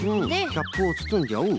キャップをつつんじゃう。